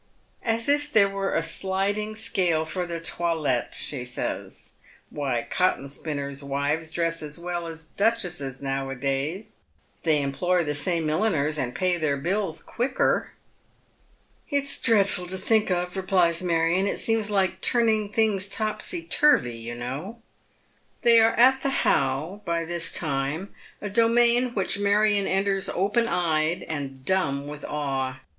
"As if there were a sliding scale for the toilet," she says. " Why, cotton spinners' wives dress as well as duchesses now a days. They employ the same milliners, and pay their bills quicker." " It's dreadful to think of," replies Marion " It seems like turning things topsy tui vy, you know." They are at the How by this time, a domain which Marion enters open eyed and dumb with awe.